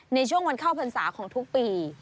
ในช่วงวันเข้าพรรษาของทุกปี